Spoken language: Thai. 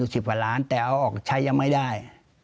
มีเงินอยู่๑๐บาทล้านแต่เอาออกใช้ยังไม่ได้